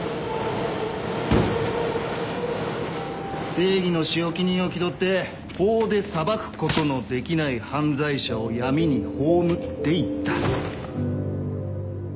正義の仕置き人を気取って法で裁くことのできない犯罪者を闇に葬っていった。